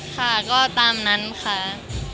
ค่ะก็ตามนั้นค่ะ